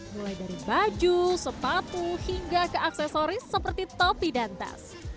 mulai dari baju sepatu hingga ke aksesoris seperti topi dan tas